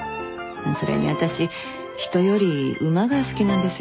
それに私人より馬が好きなんですよね。